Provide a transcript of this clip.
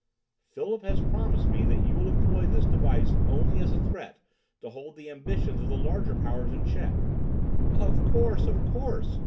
"Philip has promised me that you will employ this device only as a threat to hold the ambitions of the larger powers in check." "Of course, of course!"